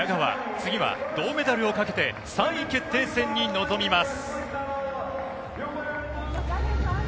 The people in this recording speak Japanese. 次は銅メダルをかけて３位決定戦に臨みます。